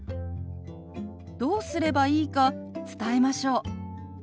どうすればいいか伝えましょう。